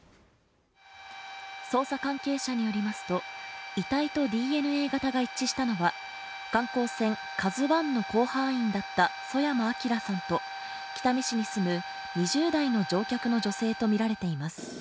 捜査関係者によりますと遺体とＤＮＡ型が一致したのは観光船「ＫＡＺＵ１」の甲板員だった曽山聖さんと北見市に住む２０代の乗客の女性と見られています